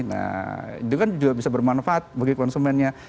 nah itu kan juga bisa bermanfaat bagi konsumennya